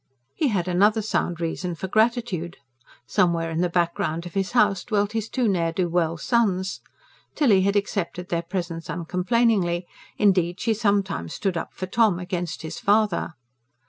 He had another sound reason for gratitude. Somewhere in the background of his house dwelt his two ne'er do well sons; Tilly had accepted their presence uncomplainingly. Indeed she sometimes stood up for Tom, against his father.